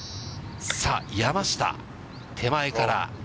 さあ、山下、手前から。